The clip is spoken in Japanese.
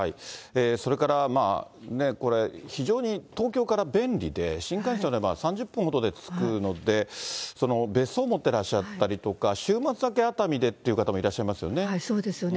それから、非常に東京から便利で、新幹線で３０分ほどで着くので、別荘を持ってらっしゃったりとか、週末だけ熱海でっていう方もいらっしゃいますよね。